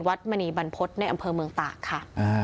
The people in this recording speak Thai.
มณีบรรพฤษในอำเภอเมืองตากค่ะ